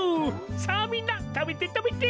さあみんなたべてたべて！